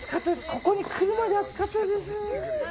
ここに来るまで暑かったです。